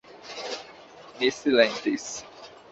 Mi silentis.